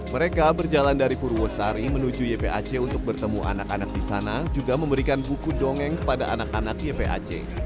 mereka berjalan dari purwosari menuju ypac untuk bertemu anak anak di sana juga memberikan buku dongeng pada anak anak ypac